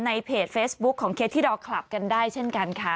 ในเพจเฟซบุ๊คของเคสที่เราคลับกันได้เช่นกันค่ะ